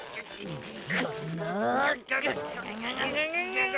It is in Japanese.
この。